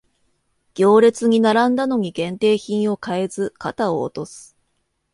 行列に並んだのに限定品を買えず肩を落とす